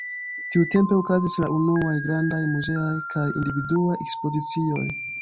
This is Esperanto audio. Tiutempe okazis la unuaj grandaj muzeaj kaj individuaj ekspozicioj.